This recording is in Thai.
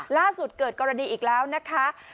ล่าสุดเกิดกรณีอีกแล้วนะคะ